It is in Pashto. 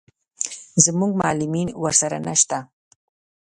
زموږ معلمین ورسره نه شته.